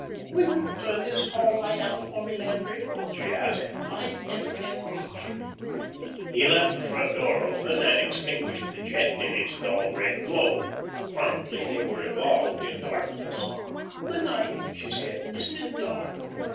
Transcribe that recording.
"Will you turn this hall light out for me, Landry?" she asked. "I never can reach." He left the front door open and extinguished the jet in its dull red globe. Promptly they were involved in darkness. "Good night," she said. "Isn't it dark?"